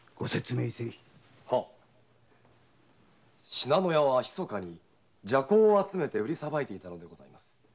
信濃屋はひそかに麝香を集めて売りさばいていたのです。